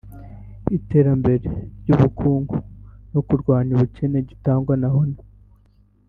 Iterambere ry’ubukungu no kurwanya ubukene gitangwa na Hon